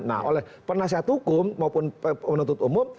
nah oleh penasihat hukum maupun penuntut umum